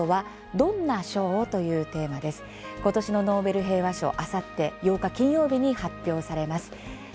ことしのノーベル平和賞があさって８日金曜日に発表されます。